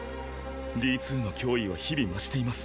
Ｄ２の脅威は日々増しています。